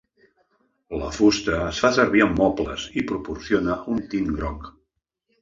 La fusta es fa servir en mobles i proporciona un tint groc.